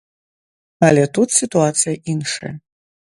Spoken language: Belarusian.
Але тут сітуацыя іншая.